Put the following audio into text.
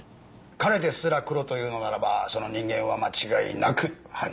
彼ですらクロと言うのならばその人間は間違いなく犯人でしょう。